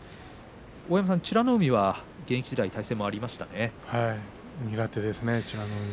大山さん、美ノ海は現役時代はい、苦手ですね。